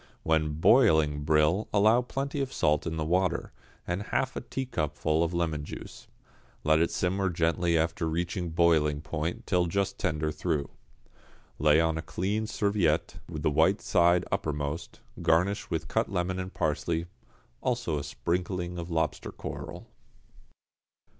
When boiling brill allow plenty of salt in the water, and half a teacupful of lemon juice. Let it simmer gently after reaching boiling point till just tender through. Lay on a clean serviette, the white side uppermost, garnish with cut lemon and parsley, also a sprinkling of lobster coral.